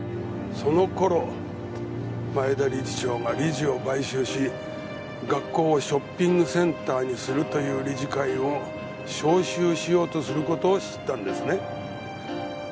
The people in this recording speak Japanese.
その頃前田理事長が理事を買収し学校をショッピングセンターにするという理事会を招集しようとする事を知ったんですね？